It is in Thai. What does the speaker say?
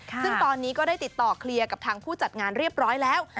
ซึ่งตอนนี้ก็ได้ติดต่อเคลียร์กับทางผู้จัดงานเรียบร้อยแล้ว